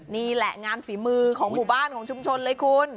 นี่แหละงานฝีมือของหมู่บ้านของชุมชนเลยคุณ